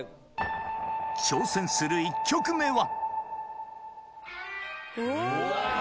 挑戦する１曲目は